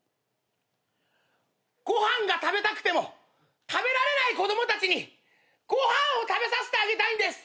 ご飯が食べたくても食べられない子供たちにご飯を食べさせてあげたいんです。